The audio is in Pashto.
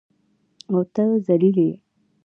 او ته ذلیل یې.